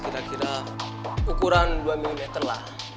kira kira ukuran dua mm lah